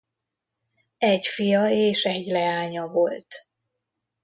Egy fia és egy leánya volt.